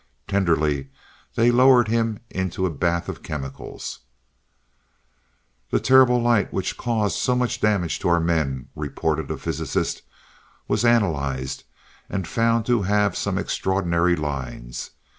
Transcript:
Tenderly they lowered him into a bath of chemicals "The terrible light which caused so much damage to our men," reported a physicist, "was analyzed, and found to have some extraordinary lines.